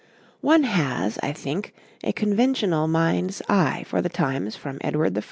One has, I think, a conventional mind's eye for the times from Edward I.